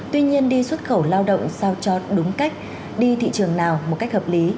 tuy nhiên đi xuất khẩu lao động sao cho đúng cách đi thị trường nào một cách hợp lý